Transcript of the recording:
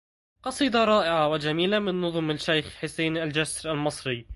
قصيدة رائعة وجميلة من نظم الشيخ حسين الجسر المصري